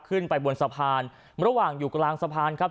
ขึ้นไปบนสะพานระหว่างอยู่กลางสะพานครับ